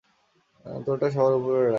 তোরটা সবার ওপরে রাখ।